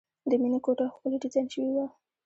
د مینې کوټه ښکلې ډیزاین شوې وه